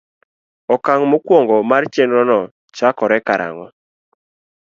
Okang' mokwongo mar chenrono chakore karang'o?